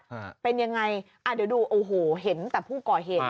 ฮะเป็นยังไงอ่าเดี๋ยวดูโอ้โหเห็นแต่ผู้ก่อเหตุ